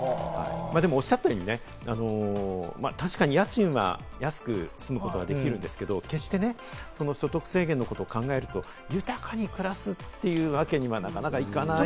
でもおっしゃったように、確かに家賃は安く済むわけですが、決して所得制限のことを考えると、豊かに暮らすというわけにはなかなかいかない。